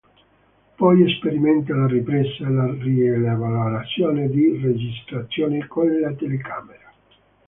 Poi sperimenta la ripresa e la rielaborazione di registrazioni con la telecamera.